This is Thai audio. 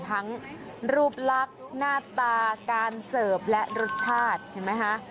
ทั้งรูปลักษณ์หน้าตาการเสิร์ฟและรสชาติเห็นไหมคะ